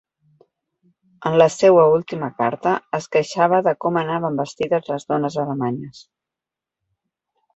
En la seua última carta, es queixava de com anaven vestides les dones alemanyes.